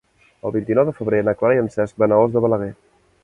El vint-i-nou de febrer na Clara i en Cesc van a Os de Balaguer.